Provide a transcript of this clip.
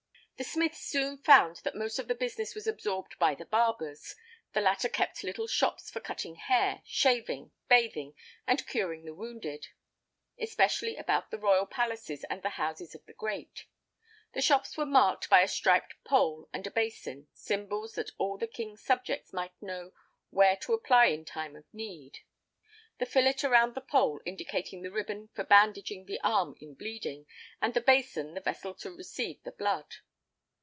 The smiths soon found that most of the business was absorbed by the barbers: the latter kept little shops for cutting hair, shaving, bathing and curing the wounded, especially about the royal palaces and the houses of the great: the shops were marked by a striped pole and a basin, symbols that all the king's subjects might know where to apply in time of need; (the fillet around the pole indicating the ribbon for bandaging the arm in bleeding, and the basin the vessel to receive the blood).